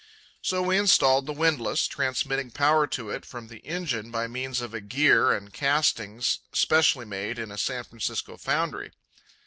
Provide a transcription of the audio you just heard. So we installed the windlass, transmitting power to it from the engine by means of a gear and castings specially made in a San Francisco foundry.